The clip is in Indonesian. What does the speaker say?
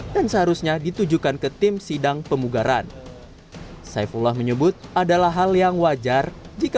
dan seharusnya ditujukan ke tim sidang pemugaran saifulah menyebut adalah hal yang wajar jika